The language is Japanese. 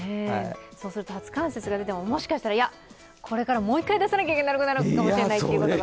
そうすると初冠雪が出てももしかしたらいやこれからもう１回出さなきゃならなくなるというのは？